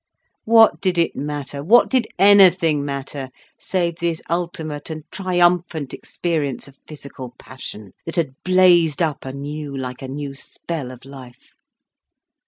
What did it matter, what did anything matter save this ultimate and triumphant experience of physical passion, that had blazed up anew like a new spell of life.